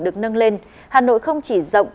được nâng lên hà nội không chỉ rộng